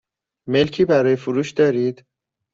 ملکی برای فروش دارید؟